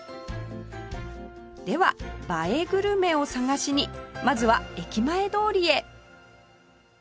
では映えグルメを探しにまずは駅前通りへ